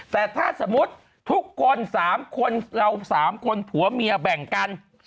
แต่ถ้าสมมุติทุกคน๓คนเรา๓คนผัวเมียแบ่งกัน